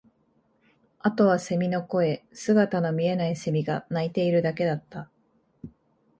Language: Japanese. あとは蝉の声、姿の見えない蝉が鳴いているだけだった